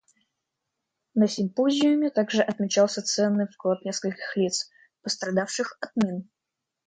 На симпозиуме также отмечался ценный вклад нескольких лиц, пострадавших от мин.